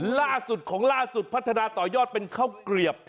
ล่าสุดของล่าสุดพัฒนาต่อยอดเป็นข้าวเกลียบ